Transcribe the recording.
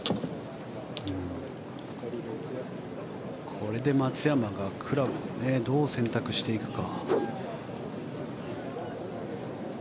これで松山がクラブをどう選択していくか。